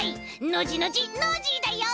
ノジノジノージーだよ！